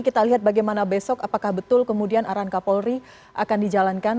kita lihat bagaimana besok apakah betul kemudian arahan kapolri akan dijalankan